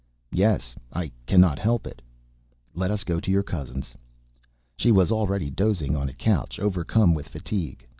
"Yes, I cannot help it." "Let us go to your cousin's." She was already dozing on a couch, overcome with fatigue.